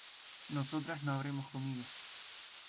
nosotras no habremos comido